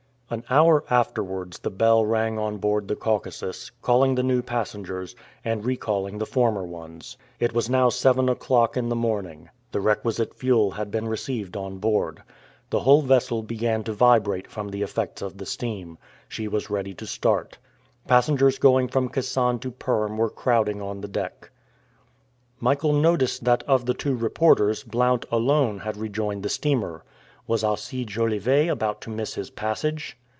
An hour afterwards the bell rang on board the Caucasus, calling the new passengers, and recalling the former ones. It was now seven o'clock in the morning. The requisite fuel had been received on board. The whole vessel began to vibrate from the effects of the steam. She was ready to start. Passengers going from Kasan to Perm were crowding on the deck. Michael noticed that of the two reporters Blount alone had rejoined the steamer. Was Alcide Jolivet about to miss his passage?